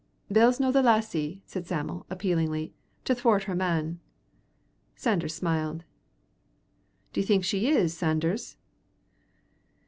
"Bell's no the lassie," said Sam'l, appealingly, "to thwart her man." Sanders smiled. "D'ye think she is, Sanders?"